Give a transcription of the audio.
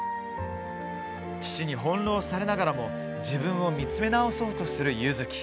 父に翻弄されながらも自分を見つめ直そうとする柚月。